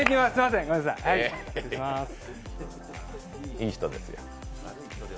いい人ですよ。